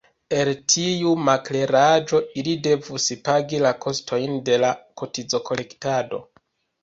El tiu makleraĵo ili devus pagi la kostojn de la kotizokolektado.